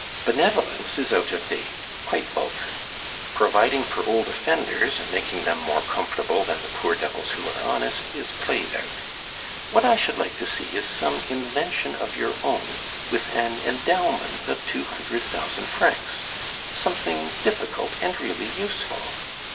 Benevolence is out of date, quite vulgar. Providing for old offenders, and making them more comfortable than the poor devils who are honest, is played out. What I should like to see is some invention of your own with an endowment of two hundred thousand francs something difficult and really useful.